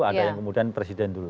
ada yang kemudian presiden dulu